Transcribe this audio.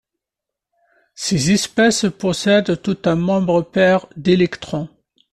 Ces espèces possèdent toutes un nombre pair d'électrons.